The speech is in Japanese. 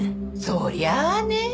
そりゃあねえ。